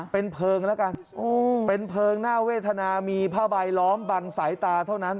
เป็นเพลิงแล้วกันเป็นเพลิงน่าเวทนามีผ้าใบล้อมบังสายตาเท่านั้น